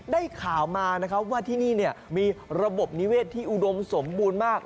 ได้ข่าวมานะครับว่าที่นี่มีระบบนิเวศที่อุดมสมบูรณ์มาก